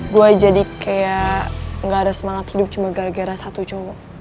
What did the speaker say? gue jadi kayak gak ada semangat hidup cuma gara gara satu coba